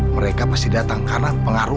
mereka pasti datang karena pengaruh